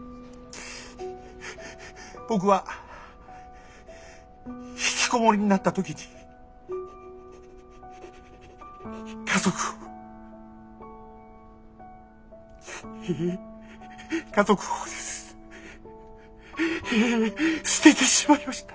僕はひきこもりになった時に家族を家族をすええ捨ててしまいました。